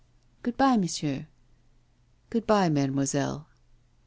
'Good bye, monsieur.' 'Good bye, mademoiselle.